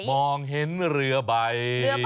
มองเห็นเรือใบ